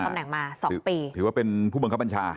ถือว่าเป็นพ่อของเบื้องทะพรรจา